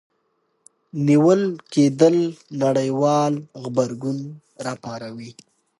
نیول کېدل نړیوال غبرګون راوپاروه.